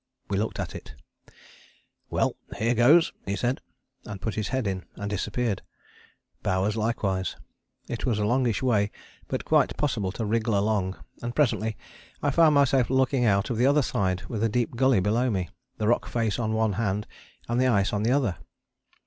We looked at it: "Well, here goes!" he said, and put his head in, and disappeared. Bowers likewise. It was a longish way, but quite possible to wriggle along, and presently I found myself looking out of the other side with a deep gully below me, the rock face on one hand and the ice on the other.